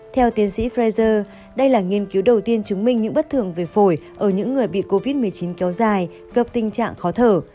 theo tiến sĩ pfizer đây là nghiên cứu đầu tiên chứng minh những bất thường về phổi ở những người bị covid một mươi chín kéo dài gặp tình trạng khó thở